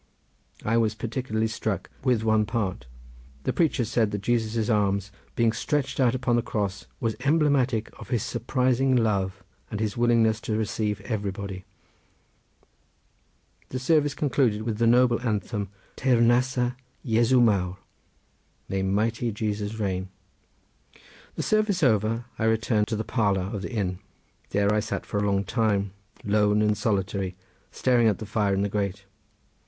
I was particularly struck with one part. The preacher said that Jesus' arms being stretched out upon the cross was emblematic of his surprising love and his willingness to receive anybody. The service concluded with the noble anthem Teyrnasa Jesu Mawr, "May Mighty Jesus reign!" The service over I returned to the parlour of the inn. There I sat for a long time lone and solitary, staring at the fire in the grate.